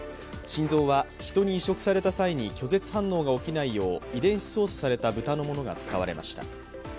心臓は人に移植された際に拒絶反応が起きないよう遺伝子操作された豚のものが使われました。